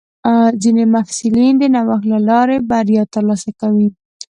ځینې محصلین د نوښت له لارې بریا ترلاسه کوي.